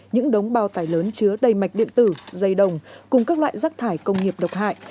những đống bao tải lớn chứa đầy mạch điện tử dây đồng cùng các loại rác thải công nghiệp độc hại